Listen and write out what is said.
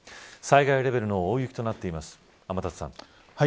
災害レベルの大雪となっています、天達さん。